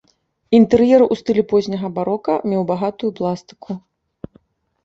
Інтэр'ер у стылі позняга барока меў багатую пластыку.